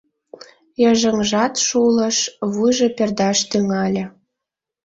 Йыжыҥжат шулыш, вуйжо пӧрдаш тӱҥале.